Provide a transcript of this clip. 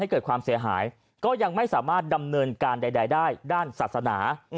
เกิดความเสียหายก็ยังไม่สามารถดำเนินการใดได้ด้านศาสนา